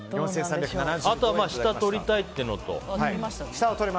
あとは下を取りたいっていうのと。